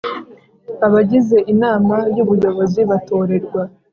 abagize Inama y Ubuyobozi batorerwa